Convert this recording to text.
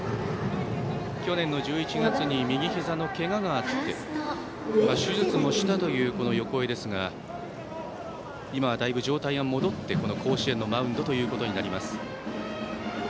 去年の１１月に右ひざのけががあって手術もしたという横江ですが今はだいぶ状態が戻ってこの甲子園のマウンドです。